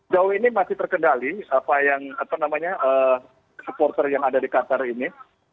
jauh ini masih terkendali apa yang apa namanya supporter yang ada di qatar ini